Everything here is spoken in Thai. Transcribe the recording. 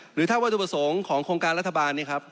หรือถ้าวัตถุประสงค์ของโครงการรัฐบาล